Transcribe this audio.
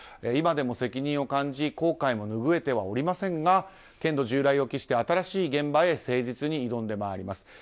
今でも責任を感じ後悔も拭えてはおりませんが捲土重来を期して新しい現場へ誠実に挑んでまいります。